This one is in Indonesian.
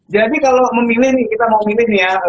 jadi kalau memilih nih kita mau memilih nih ya